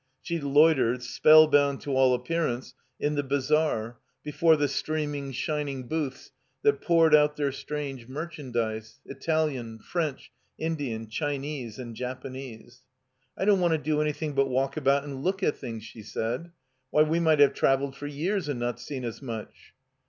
She loitered, spellbound to all appearance, in the bazaar, before the streaming, shining booths that poured out their strange mer chandise, Italian, French, Indian, Chinese, and Japanese. "I don't want to do anything but walk about and look at things," she said. Why, we might have traveled for years and not seen as much."